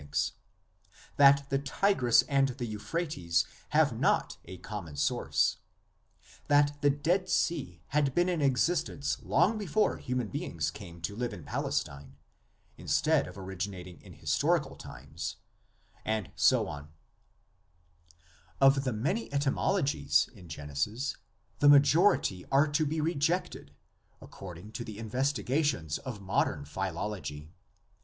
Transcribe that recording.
thinks, that the Tigris and the Euphrates have not a common source, that the Dead Sea had been in existence long before human beings came to live in Palestine, instead of originating in historical times, and so on. 8 THE LEGENDS OF GENESIS. Of the many etymologies in Genesis the majority are to be rejected according to the investigations of modern philology.